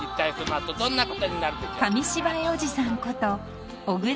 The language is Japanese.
［紙芝居おじさんこと］